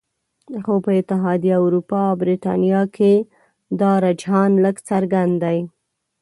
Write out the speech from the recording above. خو په اتحادیه اروپا او بریتانیا کې دا رجحان لږ څرګند دی